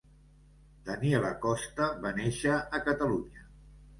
Daniela Costa va néixer a Catalunya.